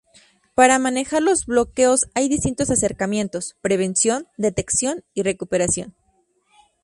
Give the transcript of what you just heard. Para manejar los bloqueos hay distintos acercamientos: prevención, detección, y recuperación.